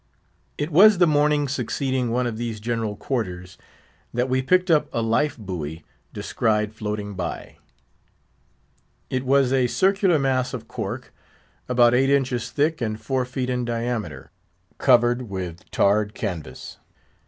It was the morning succeeding one of these general quarters that we picked up a life buoy, descried floating by. It was a circular mass of cork, about eight inches thick and four feet in diameter, covered with tarred canvas.